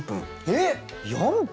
えっ４分！？